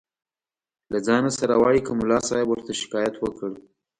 له ځانه سره وایي که ملا صاحب ورته شکایت وکړ.